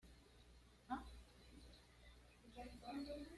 Antes de eso, Malasia participó en los Juegos Olímpicos de Múnich.